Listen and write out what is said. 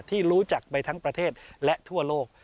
ที่รู้จักไปทั้งประเทศและทั่วโลก